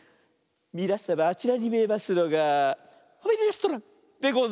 みなさまあちらにみえますのが「ファミレストラン」でございます。